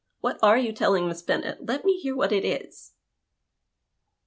What arc you telling Miss Bennet ? Let me hear what it is."